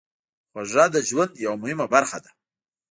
خوږه د ژوند یوه مهمه برخه ده.